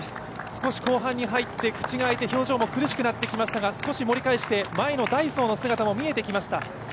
少し後半に入って口が開いて表情も苦しくなってきましたが、少し盛り返して前のダイソーの姿も見えてきました。